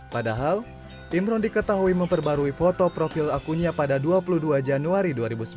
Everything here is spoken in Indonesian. padahal imron diketahui memperbarui foto profil akunya pada dua puluh dua januari dua ribu sembilan belas